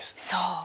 そう。